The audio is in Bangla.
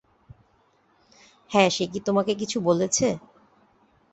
হ্যাঁ সে কি তোমাকে কিছু বলেছে?